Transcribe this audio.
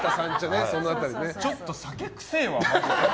ちょっと酒くさいわ。